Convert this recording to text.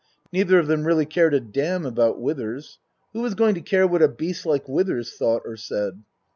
Neither of them really cared a damn about Withers. Who was going to care what a beast like Withers thought or said